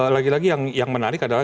lagi lagi yang menarik adalah